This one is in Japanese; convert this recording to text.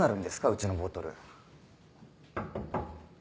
うちのボトル。